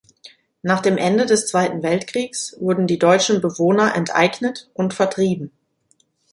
Nach dem Ende des Zweiten Weltkriegs wurden die deutschen Bewohner enteignet und vertrieben.